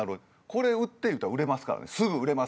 これ売って言うたら売れますからすぐ売れますから。